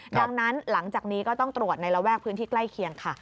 ดังนั้นหลังจากนี้ก็ต้องตรวจในระแวกพื้นที่ใกล้เคียงค่ะ